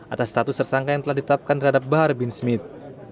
atau tersangka yang telah ditetapkan terhadap bahar bin smith